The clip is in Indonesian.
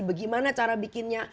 bagaimana cara bikinnya